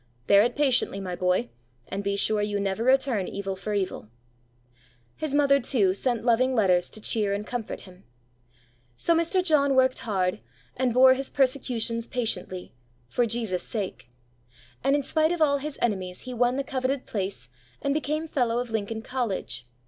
Bear it patiently, my boy, and be sure you never return evil for evil." His mother, too, sent loving letters to cheer and comfort him. So Mr. John worked hard, and bore his persecutions patiently for Jesus' sake; and in spite of all his enemies he won the coveted place, and became Fellow of Lincoln College.